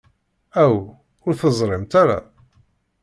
Aw, ur teẓrimt ara?